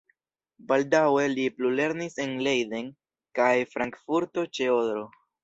Baldaŭe li plulernis en Leiden kaj Frankfurto ĉe Odro.